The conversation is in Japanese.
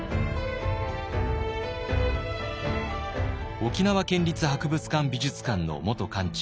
沖縄県立博物館・美術館の元館長